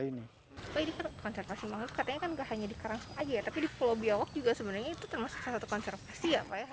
tapi di pulau biawak juga sebenarnya itu termasuk satu konservasi ya pak ya